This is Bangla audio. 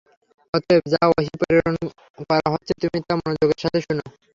অতএব, যা ওহী প্রেরণ করা হচ্ছে তুমি তা মনোযোগের সাথে শুন!